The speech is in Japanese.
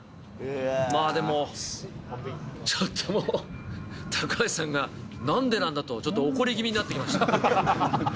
まあでも、ちょっともう、高橋さんが、なんでなんだと、ちょっと怒り気味になってきました。